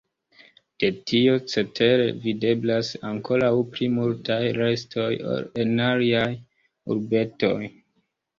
De tio cetere videblas ankoraŭ pli multaj restoj ol en aliaj urbetoj.